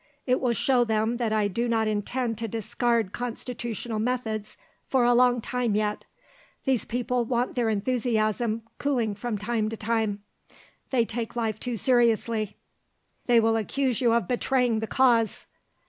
It will show them that I do not intend to discard Constitutional methods for a long time yet. These people want their enthusiasm cooling from time to time; they take life too seriously." "They will accuse you of betraying the cause."